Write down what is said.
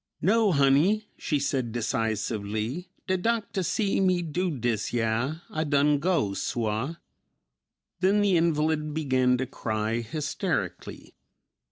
"No, honey," she said decisively, "de doctah see me do dis yah, I done go, suah." Then the invalid began to cry hysterically.